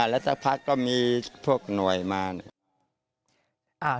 แล้วสักพักก็มีพวกหน่วยมา